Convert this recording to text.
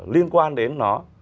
liên quan đến nó